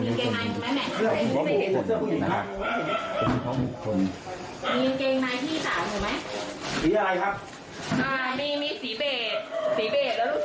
แล้วก็มีดำแล้วก็มีนี่คือตัวเขาเหรอแล้วมีกี่ตัวเพราะว่า๓ตัว